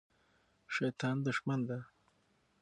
شیطان دښمن دی.